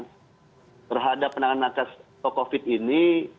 terhadap penanganan kasus covid ini